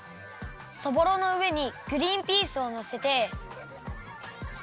そぼろのうえにグリンピースをのせて。